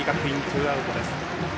ツーアウトです。